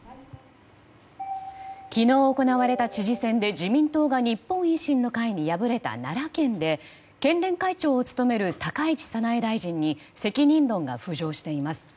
昨日行われた知事選で自民党が日本維新の会に敗れた奈良県で県連会長を務める高市早苗大臣に責任論が浮上しています。